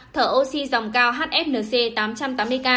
thở oxy dòng cao hfnc tám trăm tám mươi k